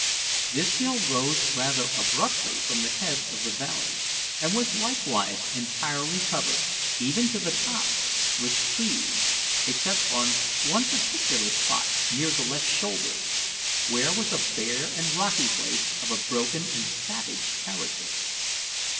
This hill rose rather abruptly from the head of the valley, and was likewise entirely covered, even to the top, with trees except on one particular spot near the left shoulder, where was a bare and rocky place of a broken and savage character.